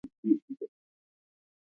دا د شمالي اروپا ادبیات په بشپړ ډول پوښي.